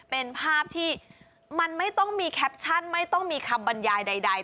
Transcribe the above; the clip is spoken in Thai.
เป็นภาพที่มันไม่ต้องมีแคปชั่นไม่ต้องมีคำบรรยายใด